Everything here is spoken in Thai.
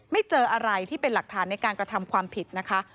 เจออะไรที่เป็นหลักฐานในการกระทำความผิดนะคะ